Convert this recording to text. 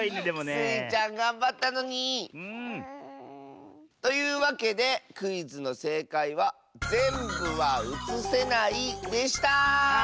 スイちゃんがんばったのに！というわけでクイズのせいかいは「ぜんぶはうつせない」でした！